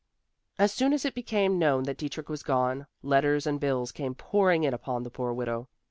As soon as it became known that Dietrich was gone, letters and bills came pouring in upon the poor widow.